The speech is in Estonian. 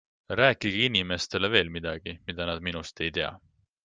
Rääkige inimestele veel midagi, mida nad minust ei tea.